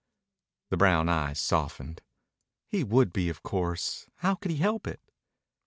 The brown eyes softened. "He would be, of course. How could he help it?"